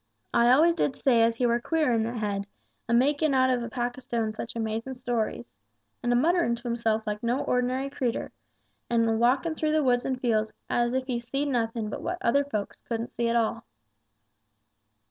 "I always did say as he were queer in the head, a makin' out of a pack o' stones such amazin' stories! And a mutterin' to hisself like no ordinary creetur, and a walkin' through the woods and fields as if he seed nothin' but what other folks couldn't see at all!"